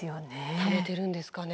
ためてるんですかね